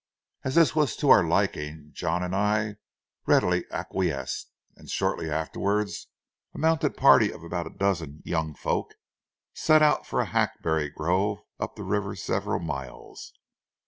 As this was to our liking, John and I readily acquiesced, and shortly afterward a mounted party of about a dozen young folks set out for a hackberry grove, up the river several miles.